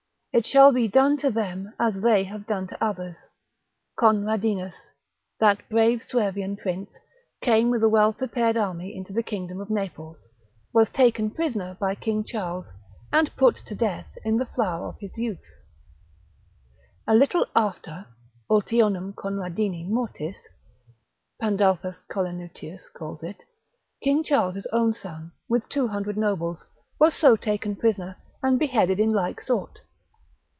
It shall be done to them as they have done to others. Conradinus, that brave Suevian prince, came with a well prepared army into the kingdom of Naples, was taken prisoner by king Charles, and put to death in the flower of his youth; a little after (ultionem Conradini mortis, Pandulphus Collinutius Hist. Neap. lib. 5. calls it), King Charles's own son, with two hundred nobles, was so taken prisoner, and beheaded in like sort.